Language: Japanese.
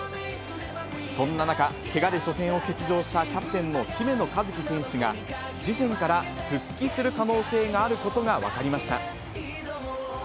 そんな中、けがで初戦を欠場したキャプテンの姫野和樹選手が、次戦から復帰する可能性があることが分かりました。